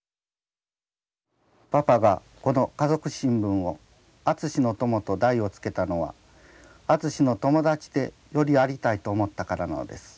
「パパがこの家族新聞を『淳ノ友』と題を付けたのは淳の友達でよりありたいと思ったからなのです」。